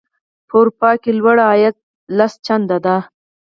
په اروپا کې لوړ عاید لس چنده دی.